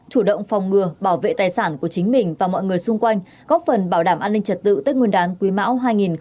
chủ động phòng ngừa bảo vệ tài sản của chính mình và mọi người xung quanh góp phần bảo đảm an ninh trật tự tết nguyên đán quý mão hai nghìn hai mươi